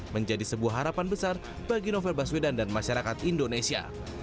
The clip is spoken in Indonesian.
menjadi sebuah harapan besar bagi novel baswedan dan masyarakat indonesia